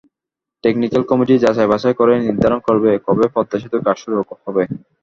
Technical committee যাচাই-বাছাই করে নির্ধারণ করবে, কবে পদ্মা সেতুর কাজ শুরু হবে।